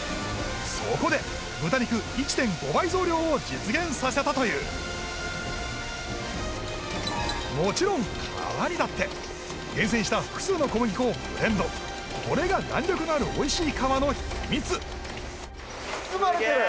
そこで豚肉１．５倍増量を実現させたというもちろん皮にだって厳選した複数の小麦粉をブレンドこれが弾力のあるおいしい皮の秘密・包まれてる！